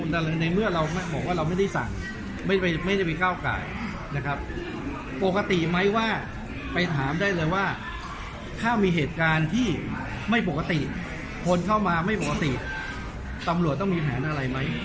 แต่ในเมื่อเราบอกว่าเราไม่ได้สั่งไม่ได้ไปก้าวไก่นะครับปกติไหมว่าไปถามได้เลยว่าถ้ามีเหตุการณ์ที่ไม่ปกติคนเข้ามาไม่ปกติตำรวจต้องมีแผนอะไรไหม